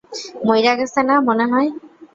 মইরা গেছে না, মনে হয়?